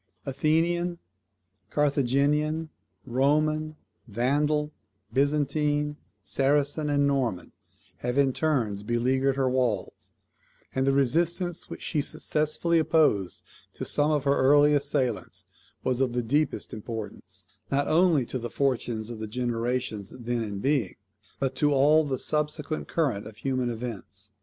Athenian, Carthaginian, Roman, Vandal, Byzantine, Saracen, and Norman, have in turns beleaguered her walls; and the resistance which she successfully opposed to some of her early assailants was of the deepest importance, not only to the fortunes of the generations then in being, but to all the subsequent current of human events.